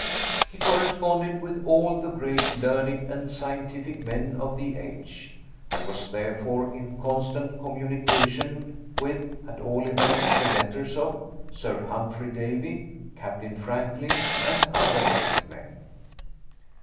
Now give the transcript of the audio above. He corresponded with all the great, learned, and scientific men of the age. I was, therefore, in constant communication with, at all events the letters of, Sir Humphry Davy, Captain Franklin, and other great men.